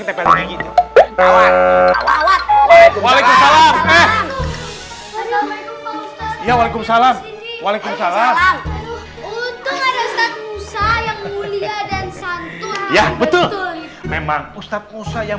ya walaikum salam walaikum salam yang mulia dan santun ya betul memang ustadz musa yang